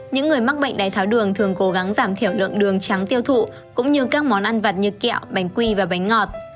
những người mắc bệnh đáy tháo đường thường cố gắng giảm thiểu lượng đường trắng tiêu thụ cũng như các món ăn vặt như kẹo bánh quy và bánh ngọt